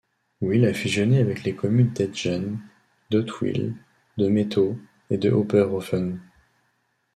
Wil a fusionné avec les communes d'Etzgen, d'Hottwil, de Mettau, et de Oberhofen.